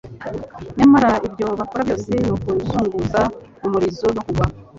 nyamara ibyo bakora byose ni ukuzunguza umurizo no kugwa